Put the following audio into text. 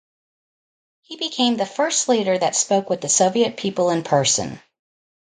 He became the first leader that spoke with the Soviet people in person.